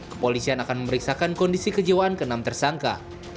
kepolisian akan memeriksakan kondisi kejiwaan ke enam tersangka